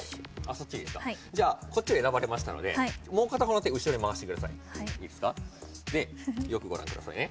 そっちでいいですかじゃこっちを選ばれましたのでもう片方の手後ろに回してくださいいいですかよくご覧くださいね